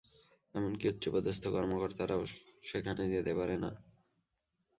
এমনকি উচ্চপদস্থ কর্মকর্তারাও সেখানে যেতে পারে না।